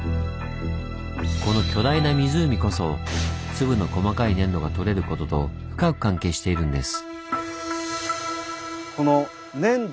この巨大な湖こそ粒の細かい粘土が採れることと深く関係しているんです。